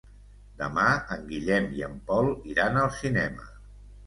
Demà en Guillem i en Pol iran al cinema.